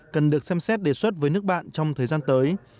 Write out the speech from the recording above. cần được xem xét đề xuất với nước bạn trong thời gian tới